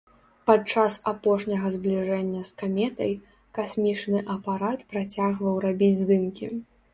Падчас апошняга збліжэння з каметай касмічны апарат працягваў рабіць здымкі.